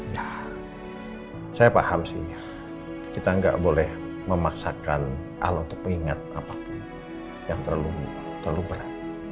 ya saya paham sih kita nggak boleh memaksakan allah untuk mengingat apapun yang terlalu berat